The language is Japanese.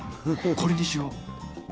これにしよう。